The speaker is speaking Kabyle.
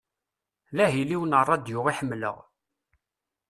D ahil-iw n ṛadyu i ḥemleɣ.